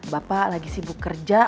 bapak lagi sibuk kerja